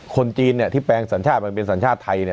คนจีนที่แปลงสัญชาติมันเป็นสัญชาติไทย